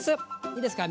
いいですか。